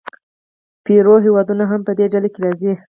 پیرو هېوادونه هم په دې ډله کې راځي.